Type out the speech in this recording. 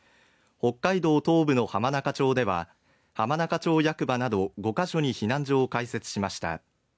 北海道東部の浜中町では、浜中町役場など５ヶ所に避難所を開設しました。